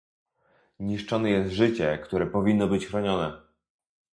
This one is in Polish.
Niszczone jest życie, które powinno być chronione